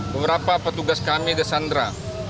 beberapa petugas kami disandra